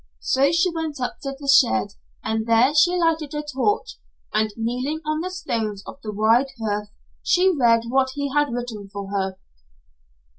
So she went up to the shed, and there she lighted a torch, and kneeling on the stones of the wide hearth, she read what he had written for her.